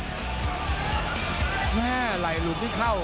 นี่คือกลายลุดยังมีเข้า